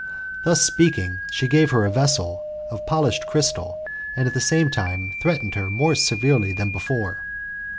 Thus speaking she gave her a vessel of polished crystal, and at the same time threatened her more severely than before.